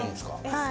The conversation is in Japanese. はい。